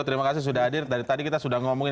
terima kasih sudah hadir dari tadi kita sudah ngomongin